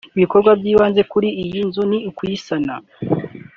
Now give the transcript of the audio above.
Ibikorwa byakozwe kuri iyo nzu ni ukuyisana